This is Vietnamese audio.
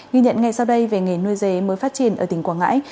ghi nhận ngay sau đây về nghề nuôi dế mới phát triển ở tỉnh quảng ngãi